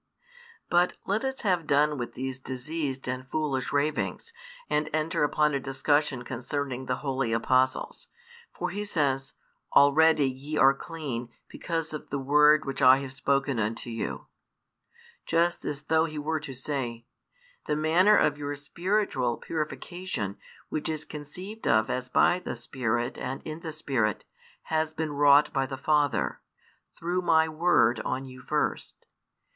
But let us have done with these diseased and foolish ravings, and enter upon a discussion concerning the Holy Apostles. For He says: Already ye are clean, because of the word which I have spoken unto you: just as though He were to say, the manner of your spiritual purification, which is conceived of as by the Spirit and in the Spirit, has been wrought by the Father, through My Word on you first.